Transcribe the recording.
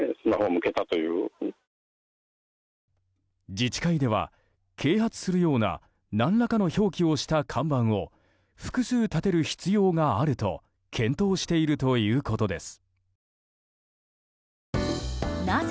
自治会では、啓発するような何らかの表記をした看板を複数、立てる必要があると検討しているということです。